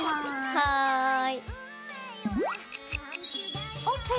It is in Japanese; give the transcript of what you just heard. はい。